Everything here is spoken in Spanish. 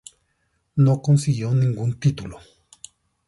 No consiguió ningún título.